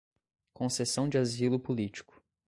concessão de asilo político